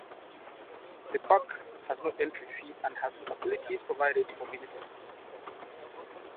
The park has no entry fee and has no facilities provided for visitors.